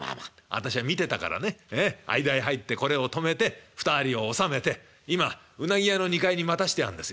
私は見てたからね間へ入ってこれを止めて２人を収めて今うなぎ屋の２階に待たしてあるんですよ。